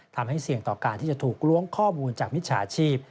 ทำให้เสี่ยงต่อการที่จะถูกล้วงข้อมูลจากมิจฉาชีพ